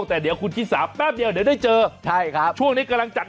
แต่เดี๋ยวคุณชิสาแป๊บเดียวเดี๋ยวได้เจอใช่ครับช่วงนี้กำลังจัด